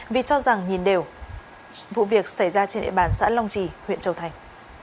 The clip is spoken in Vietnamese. vì cho rằng nhìn đều vụ việc xảy ra trên địa bàn xã long trì huyện châu thành